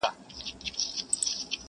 o زوی په يوه ورځ نه ملا کېږي٫